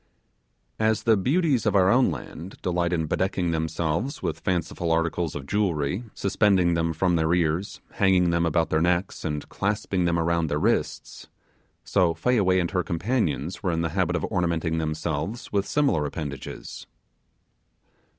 As the beauties of our own land delight in bedecking themselves with fanciful articles of jewellery, suspending them from their ears, hanging them about their necks, and clasping them around their wrists; so Fayaway and her companions were in the habit of ornamenting themselves with similar appendages.